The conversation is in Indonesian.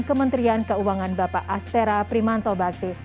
kementerian keuangan bapak astera primanto bakti